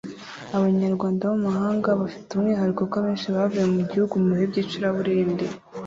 Abanyarwanda baba mu mahanga bafite umwihariko ko abenshi bavuye mu gihugu mu bihe by’icuraburindi